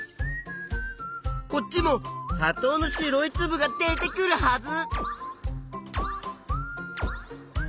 こっちもさとうの白いつぶが出てくるはず！